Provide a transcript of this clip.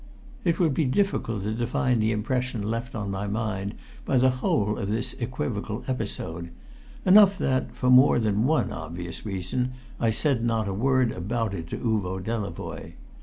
It would be difficult to define the impression left upon my mind by the whole of this equivocal episode; enough that, for more than one obvious reason, I said not a word about it to Uvo Delavoye.